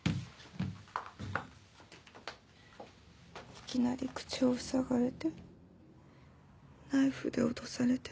いきなり口をふさがれてナイフで脅されて。